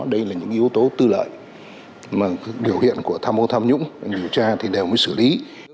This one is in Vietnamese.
đây là những yếu tố tư lợi mà biểu hiện của tham ô tham nhũng điều tra thì đều mới xử lý